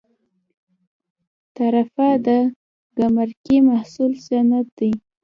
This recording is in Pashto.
تعرفه د ګمرکي محصول سند دی